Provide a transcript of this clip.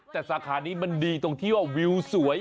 แต่สาขานี้มันดีตรงที่ว่าวิวสวย